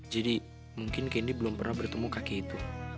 jadi mungkin candy belum pernah bertemu kakek itu